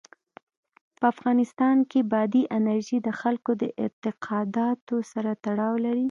په افغانستان کې بادي انرژي د خلکو د اعتقاداتو سره تړاو لري.